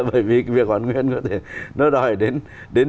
bởi vì việc hoàn nguyên nó đòi đến